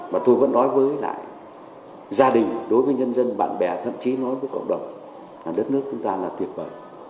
và tôi vẫn nói với lại gia đình đối với nhân dân bạn bè thậm chí nói với cộng đồng đất nước chúng ta là tuyệt vời